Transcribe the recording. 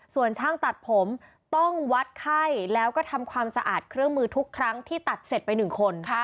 ส่วนช่างตัดผมต้องวัดไข้แล้วก็ทำความสะอาดเครื่องมือทุกครั้งที่ตัดเสร็จไป๑คน